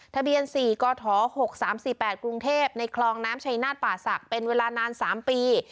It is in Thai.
ทะเบียนสี่ก่อท้อหกสามสี่แปดกรุงเทพในคลองน้ำชัยนาธิป่าสักเป็นเวลานานสามปี